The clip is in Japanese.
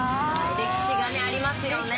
歴史がありますよね。